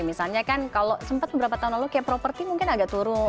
misalnya kan kalau sempat beberapa tahun lalu kayak properti mungkin agak turun